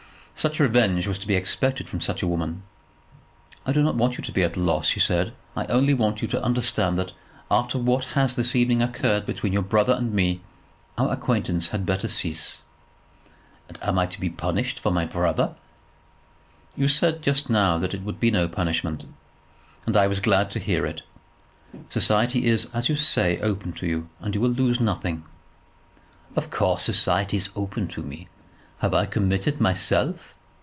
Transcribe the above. Such revenge was to be expected from such a woman. "I do not want you to be at a loss," she said. "I only want you to understand that after what has this evening occurred between your brother and me, our acquaintance had better cease." "And I am to be punished for my brother?" "You said just now that it would be no punishment, and I was glad to hear it. Society is, as you say, open to you, and you will lose nothing." "Of course society is open to me. Have I committed myself?